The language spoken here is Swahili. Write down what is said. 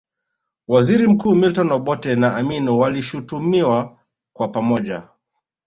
Waziri mkuu Milton Obote na Amin walishutumiwa kwa pamoja